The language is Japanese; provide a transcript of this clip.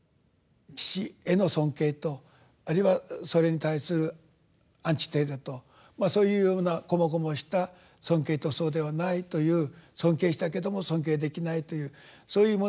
父への尊敬とあるいはそれに対するアンチテーゼとそういうようなこもごもした尊敬とそうではないという尊敬したけども尊敬できないというそういうものが賢治さんの中にあった。